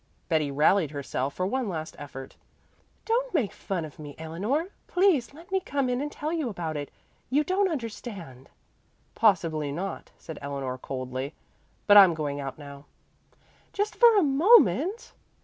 Betty rallied herself for one last effort. "Don't make fun of me, Eleanor. Please let me come in and tell you about it. You don't understand " "Possibly not," said Eleanor coldly. "But I'm going out now." "Just for a moment!"